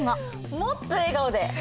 もっと笑顔で！